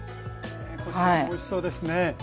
えこちらもおいしそうですね。